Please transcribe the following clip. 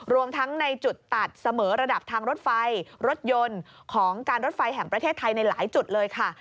รวมทั้งในจุดตัดเสมอระดับทางรถไฟรถยนต์ของการรถไฟแห่งประเทศไทยในหลายจุดเลยค่ะ